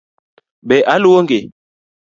Be aluongi?